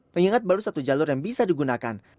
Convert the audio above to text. mengingat baru satu jalur yang bisa digunakan